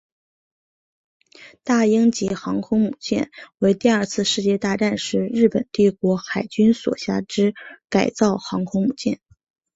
大鹰级航空母舰为第二次世界大战时日本帝国海军所辖之改造航空母舰。